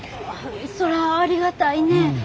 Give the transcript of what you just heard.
あそらありがたいねえ。